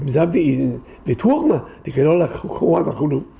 giá vị về thuốc mà thì cái đó là hoa tạo không đúng